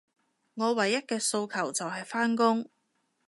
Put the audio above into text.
我唯一嘅訴求，就係返工